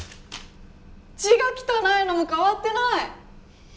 字が汚いのも変わってない！